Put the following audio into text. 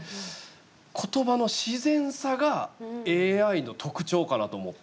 言葉の自然さがＡＩの特徴かなと思って。